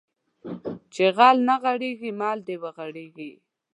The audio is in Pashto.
چې غل نه غېړيږي مل د وغړيږي